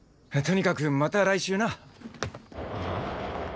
とにかくまた来週な。